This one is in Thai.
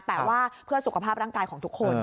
แต่ว่าเพื่อสุขภาพร่างกายของทุกคน